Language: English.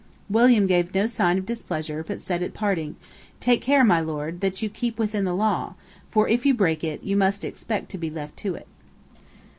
William gave no sign of displeasure, but said at parting: "Take care, my Lord, that you keep within the law; for, if you break it, you must expect to be left to it."